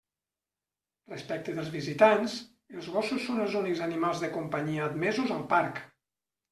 Respecte dels visitants, els gossos són els únics animals de companyia admesos al parc.